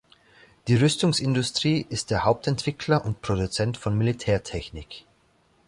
Die Rüstungsindustrie ist der Hauptentwickler und -produzent von Militärtechnik.